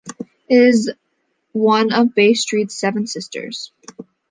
It is one of Bay Street's "Seven Sisters".